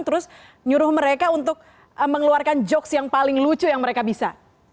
terus nyuruh mereka untuk mengeluarkan jokes yang paling lucu yang mereka bisa